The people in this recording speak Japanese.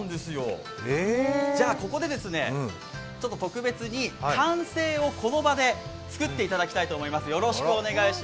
じゃあ、ここで特別に完成をこの場で作っていただきたいと思います。